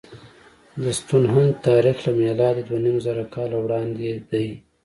د ستونهنج تاریخ له میلاده دوهنیمزره کاله وړاندې دی.